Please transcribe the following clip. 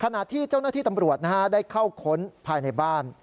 ขณะที่เจ้าหน้าที่ตำรวจได้เข้าค้นภายในบ้าน